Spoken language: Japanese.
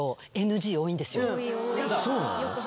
そうなの？